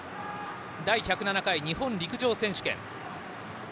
第１０７回日本陸上選手権。